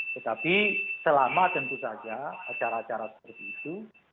tetapi selama tentu saja acara acara seperti itu